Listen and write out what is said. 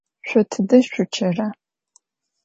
Şso tıde şsuççera?